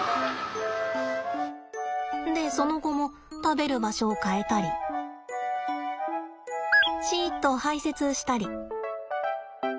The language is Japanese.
でその後も食べる場所を変えたりシッと排せつしたり。